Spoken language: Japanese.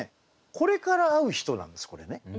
これから会う人なんですこれね。